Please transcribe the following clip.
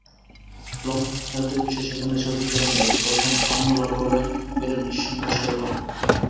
লঙ্কান স্পিনারদের বিষে যেখানে সতীর্থরা নীল, তখন আমলা লড়ে গেলেন নিঃসঙ্গ শেরপার মতো।